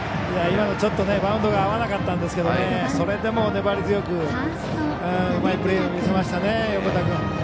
今のちょっとバウンドが合わなかったんですけどそれでも粘り強くうまいプレーを見せましたね、横田君。